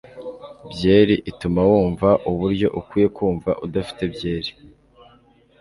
byeri ituma wumva uburyo ukwiye kumva udafite byeri